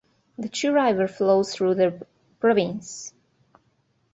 The Chi River flows through the province.